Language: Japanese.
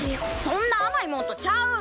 そんなあまいもんとちゃう。